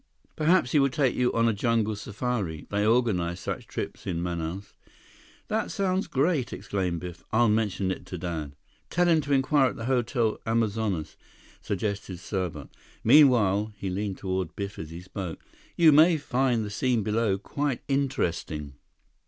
"Perhaps he will take you on a jungle safari. They organize such trips in Manaus." "That sounds great!" exclaimed Biff. "I'll mention it to Dad!" "Tell him to inquire at the Hotel Amazonas," suggested Serbot. "Meanwhile"—he leaned toward Biff as he spoke—"you may find the scene below quite interesting."